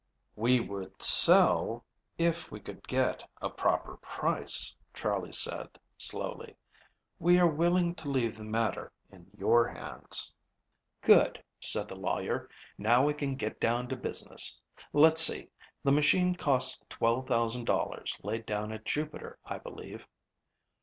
"We would sell, if we could get a proper price," Charley said slowly. "We are willing to leave the matter in your hands." "Good," said the lawyer. "Now we can get down to business. Let's see; the machine cost $12,000 laid down at Jupiter, I believe."